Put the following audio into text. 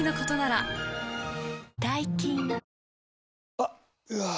あっ、うわー。